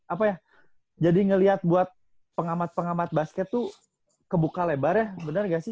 apa ya jadi ngeliat buat pengamat pengamat basket tuh kebuka lebarnya bener gak sih